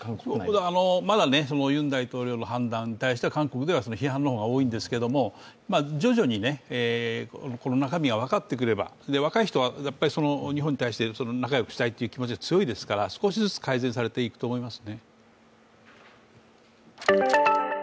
まだユン大統領の判断に対しては韓国では批判の方が多いんですけど徐々にこの中身が分かってくれば若い人は日本に対して仲良くしたいという気持ちがつよいですから少しずつ改善されていくと思います。